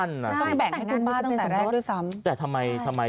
ต้องแบ่งให้คุณป้าตั้งแต่แรกด้วยซ้ำแต่ทำไมทำไม